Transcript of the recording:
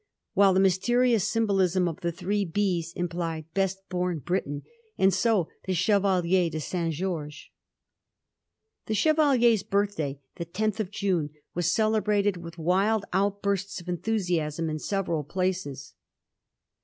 while the mysterious symbolism of the 'Three B's' im plied *Best Bom Briton,' and so the Chevalier de St. George. The Chevalier's birthday — the tenth of June — was celebrated with wild outbursts of enthu siasm in several places.